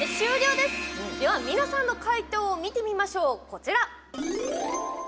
では皆さんの解答を見てみましょう、こちら。